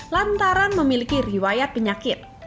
lantaran memiliki riwayat penyakit